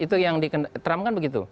itu yang di trump kan begitu